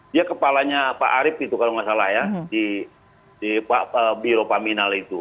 dia kepalanya pak arief itu kalau nggak salah ya di biro paminal itu